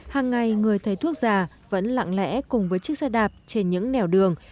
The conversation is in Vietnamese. hàng ngày người thầy thuốc già vẫn lặng lẽ cùng với chiếc xe đạp trên những nẻo đường